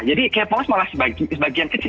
jadi k pop malah sebagian kecil